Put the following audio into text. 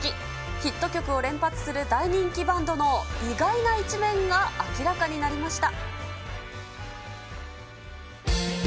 ヒット曲を連発する大人気バンドの意外な一面が明らかになりました。